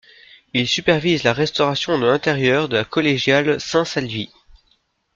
Il supervise la restauration de l'intérieur de la collégiale Saint-Salvi.